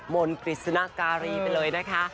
มนต์กริสุนาการีเป็นเลยนะคะ